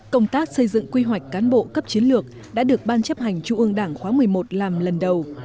công tác xây dựng quy hoạch cán bộ cấp chiến lược đã được ban chấp hành trung ương đảng khóa một mươi một làm lần đầu